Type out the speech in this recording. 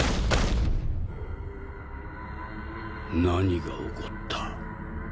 何が起こった？